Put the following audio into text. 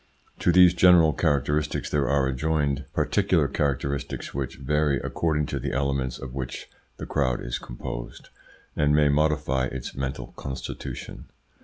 To these general characteristics there are adjoined particular characteristics which vary according to the elements of which the crowd is composed, and may modify its mental constitution.